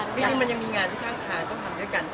ดีจริงมันยังมีงานที่ค่างก็ค่องด้วยกัน